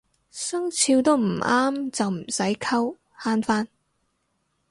生肖都唔啱就唔使溝慳返